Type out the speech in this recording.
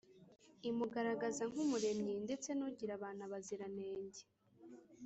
imugaragaza nk’umuremyi ndetse n’ugira abantu abaziranenge